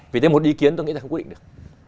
vì thế một ý kiến tôi nghĩ là không quyết định được